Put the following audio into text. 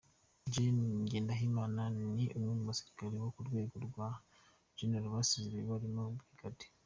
Gen. Ngendahimana ni umwe mu basirikare bo ku rwego rwa Jenerali basezerewe, barimo Brig.